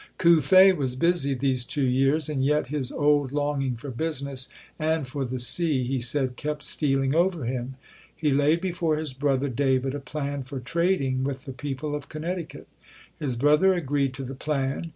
Cuffe was busy these two years and yet his old longing for business and for the sea, he said, kept stealing over him. He laid before his brother, David, a plan for trading with the people of Con necticut. His brother agreed to the plan.